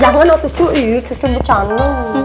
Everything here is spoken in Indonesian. jangan waktu cucu ini cucu bucany